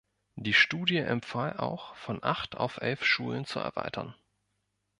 Die Studie empfahl auch, von acht auf elf Schulen zu erweitern.